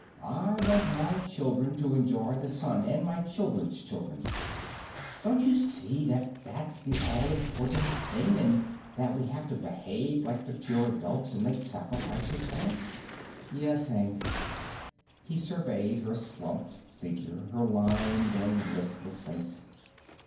I want my children to enjoy the Sun, and my children's children. Don't you see that that's the all important thing and that we have to behave like mature adults and make sacrifices for it?" "Yes, Hank." He surveyed her slumped figure, her lined and listless face.